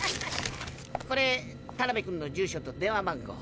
これタナベ君の住所と電話番号。